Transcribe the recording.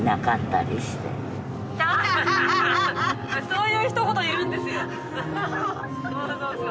そういうひと言言うんですよ。